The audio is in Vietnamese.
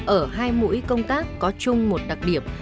ở hai mũi công tác có chung một đặc điểm